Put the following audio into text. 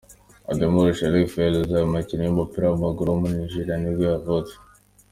Abdennour Chérif El-Ouazzani, umukinnyi w’umupira w’amaguru wo muri Algeria nibwo yavutse.